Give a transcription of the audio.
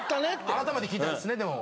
改めて聞きたいですねでも。